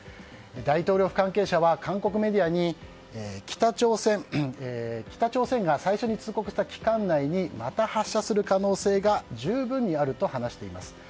大統領府関係者は韓国メディアに北朝鮮が最初に通告した期間内にまた発射する可能性が十分にあると話しています。